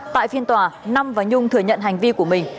tại phiên tòa năm và nhung thừa nhận hành vi của mình